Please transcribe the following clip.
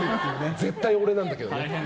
絶対俺なんだけどね。